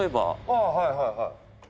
あはいはいはい。